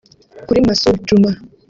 Kuri Masudi Djuma